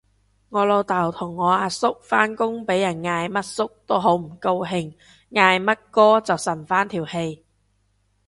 我老豆同我阿叔返工俾人嗌乜叔都好唔高興，嗌乜哥就順返條氣